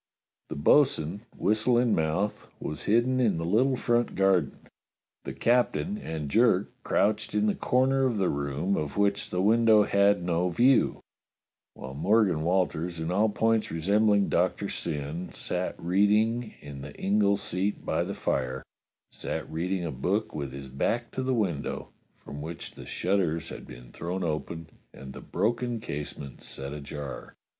The bo'sun, whistle in mouth, was hidden in the little front garden; the captain and Jerk crouched in the corner of the room of which the window had no view; while Morgan Walters, in all points resembling Doctor Syn, sat reading in the ingle seat by the fire — sat read ing a book with his back to the window, from which the shutters had been thrown open and the broken case ment set ajar.